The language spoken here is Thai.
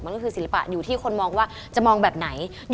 มันก็คือศิลปะอยู่ที่คนมองว่าจะมองแบบไหน